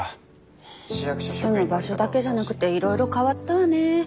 住む場所だけじゃなくていろいろ変わったわね。